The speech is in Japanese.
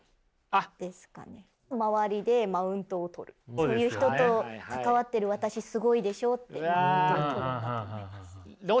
そういう人と関わってる私すごいでしょってことだと思います。